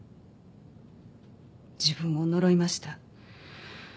自分を呪いました。